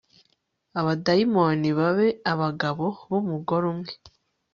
abadiyakoni babe abagabo b umugore umwe